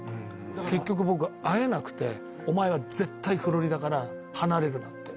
結局僕、会えなくて、お前は絶対フロリダから離れるなって。